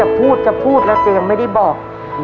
เอ๊ะจะพูดจะพูดแล้วจะไม่ได้บอก